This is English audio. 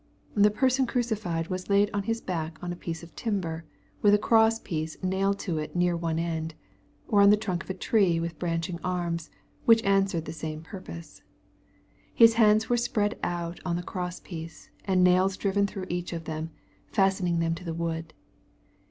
The person crucified was laid on his back on a piece of timber, with a cross piece nailed to it near one end, — or on the trunk of a tree with branching arms, which answered the same purpose. His bands were spread out on the cross piece, and nails driven through each of them, fastening them to the wood.